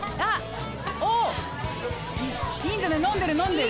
おいいんじゃない飲んでる飲んでる。